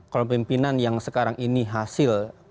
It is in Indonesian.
kalau pimpinan yang sekarang ini hasil